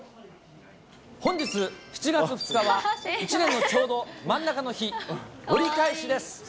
本日７月２日は１年のちょうど真ん中の日、折り返しです。